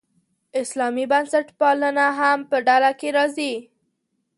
اسلامي بنسټپالنه هم په ډله کې راځي.